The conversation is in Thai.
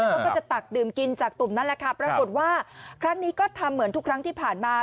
เขาก็จะตักดื่มกินจากตุ่มนั่นแหละค่ะปรากฏว่าครั้งนี้ก็ทำเหมือนทุกครั้งที่ผ่านมา